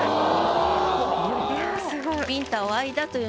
・すごい！